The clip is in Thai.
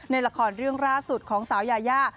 ในละครเรื่องล่าสุดของสาวยายา